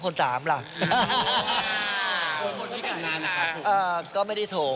มาเล่าไทย